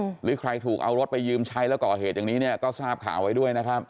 หรือใครถูกเอารถไปยืมใช้แล้วก่อเหตุอย่างนี้เนี่ยก็ทราบข่าวไว้ด้วยนะครับ